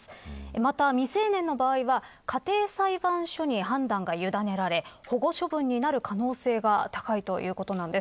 また、未成年の場合は家庭裁判所に判断が委ねられ保護処分になる可能性が高いということなんです。